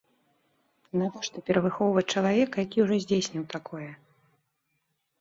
Навошта перавыхоўваць чалавека, які ўжо здзейсніў такое!